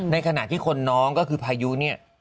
ในขณะที่คนน้องก็คือพายุเนี่ย